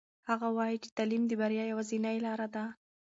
هغه وایي چې تعلیم د بریا یوازینۍ لاره ده.